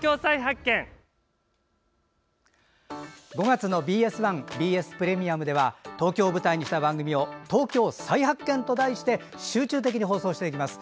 ５月のＢＳ１ＢＳプレミアムでは東京を舞台にした番組を「＃東京再発見」と題して集中的に放送していきます。